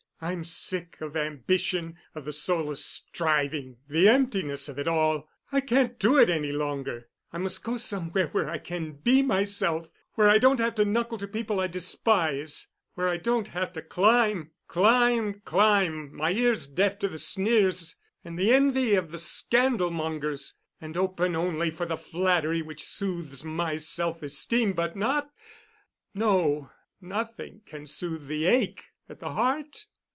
I'm sick of ambition, of the soulless striving, the emptiness of it all. I can't do it any longer. I must go somewhere where I can be myself, where I don't have to knuckle to people I despise, where I don't have to climb, climb, climb—my ears deaf to the sneers and the envy of the scandal mongers, and open only for the flattery which soothes my self esteem but not—no, nothing can soothe the ache at the heart."